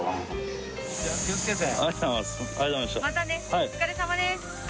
お疲れさまです。